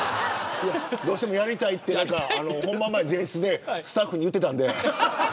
どうしてもやりたいって本番前、前室でスタッフに言っていたんで。